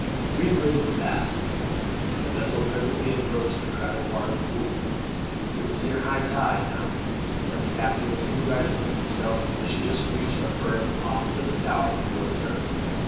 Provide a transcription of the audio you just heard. Greenwich was passed, and the vessel presently approached the crowded part of the Pool. It was near high tide now, and the captain was congratulating himself that he should just reach a berth opposite the Tower before it turned.